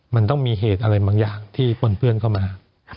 มันต้องมีเหตุอะไรบางอย่างที่ปนเปื้อนเข้ามา